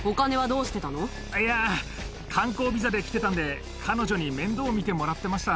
いやー、観光ビザで来てたんで、彼女に面倒見てもらってました。